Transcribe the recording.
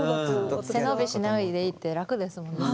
背伸びしないでいいって楽ですもんね